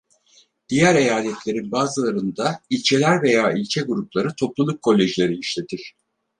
Diğer eyaletlerin bazılarında, ilçeler veya ilçe grupları topluluk kolejleri işletir.